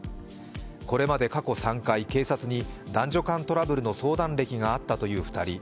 これまで過去３回警察に男女間トラブルの相談歴があったという２人。